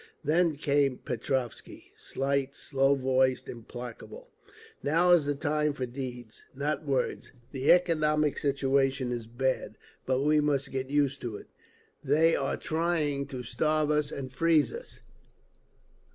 Then came Petrovsky, slight, slow voiced, implacable: "Now is the time for deeds, not words. The economic situation is bad, but we must get used to it. They are trying to starve us and freeze us.